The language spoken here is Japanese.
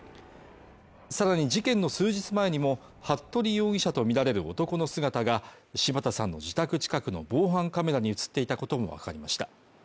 さらに事件の数日前にも服部容疑者とみられる男の姿が柴田さんの自宅近くの防犯カメラに映っていたこともわかりました。